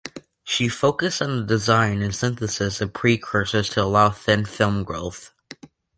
She focussed on the design and synthesis of precursors to allow thin film growth.